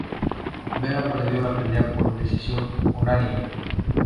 Vera perdió la pelea por decisión unánime.